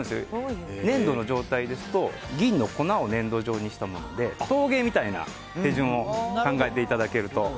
粘土の状態ですと銀の粉を粘土状にしたもので陶芸みたいな手順を考えていただくと。